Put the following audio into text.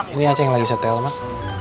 ini acing lagi setel mak